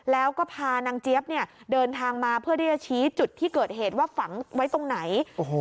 แล้วก็พานางเจี๊ยบเดินทางมาเพื่อที่จะชี้จุดที่เกิดเหตุว่าฝังไว้ตรงไหน